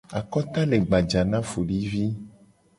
Akota le gbaja na folivi.